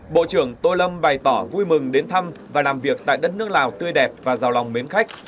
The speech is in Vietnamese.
bộ trưởng tô lâm bày tỏ vui mừng đến thăm và làm việc tại đất nước lào tươi đẹp và giàu lòng mến khách